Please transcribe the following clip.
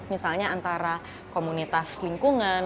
misalnya antara komunitas lingkungan